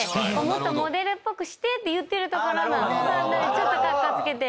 ちょっとカッコつけて。